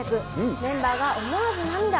メンバーが思わず涙。